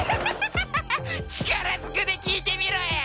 力ずくで聞いてみろや！